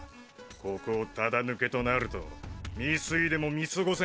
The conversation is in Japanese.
ここをタダ抜けとなると未遂でも見過ごせねぇんだよ。